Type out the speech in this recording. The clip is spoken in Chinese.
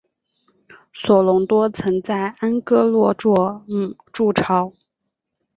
索隆多曾在安戈洛坠姆筑巢。